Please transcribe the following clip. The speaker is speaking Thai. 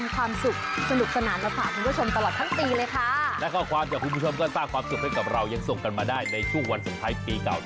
คู่กับสะบัดเขา